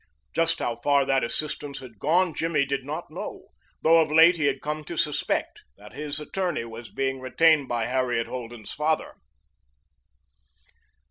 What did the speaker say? Just how far that assistance had gone Jimmy did not know, though of late he had come to suspect that his attorney was being retained by Harriet Holden's father.